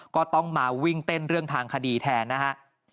ก็ต้องมาวิ่งเต้นเรื่องทางคดีแทนนะฮะ